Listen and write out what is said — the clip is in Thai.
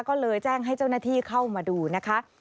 ก็เลยแจ้งให้เจ้าหน้าที่เข้ามาดูนะคะ